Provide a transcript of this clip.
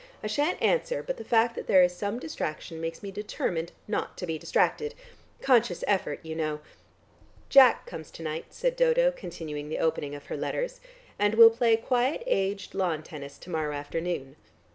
I shan't answer, but the fact that there is some distraction makes me determined not to be distracted. Conscious effort, you know...." "Jack comes to night," said Dodo, continuing the opening of her letters, "and we'll play quiet aged lawn tennis to morrow afternoon."